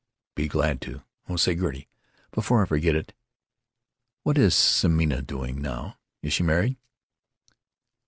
"Be glad to——Oh, say, Gertie, before I forget it, what is Semina doing now? Is she married?"